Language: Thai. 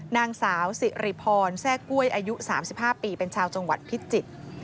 นางสาวสิริพรแทรกกล้วยอายุ๓๕ปีเป็นชาวจังหวัดพิจิตร